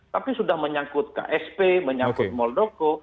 tapi sudah menyangkut ksp menyangkut muldoko